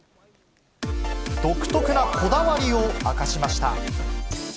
独特なこだわりを明かしまし